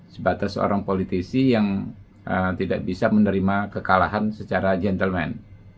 sebatas seorang politisi yang tidak bisa menerima kekalahan secara gentleman